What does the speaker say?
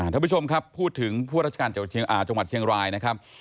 ท่านผู้ชมครับพูดถึงผู้ราชการจังหวัดเชียงรายนะครับ